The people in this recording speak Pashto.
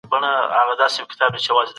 څېړنه باید تل په ټاکلو معیارونو ترسره سي.